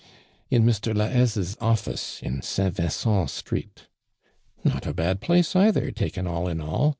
In Mr, IjvViaise's office, in St, Vincent street." "Not a bad place, either, taken all in all.